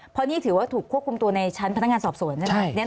เพราะนี่ถือว่าถูกควบคุมตัวในชั้นพนักงานสอบสวนใช่ไหม